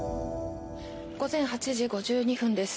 午前８時５２分です。